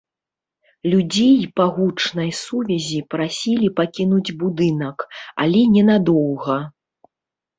Людзей па гучнай сувязі прасілі пакінуць будынак, але ненадоўга.